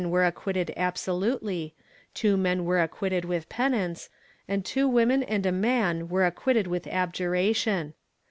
I] ACQUITTAL 107 acquitted absolutely, two men were acquitted with penance, and two women and a man were acquitted with abjuration.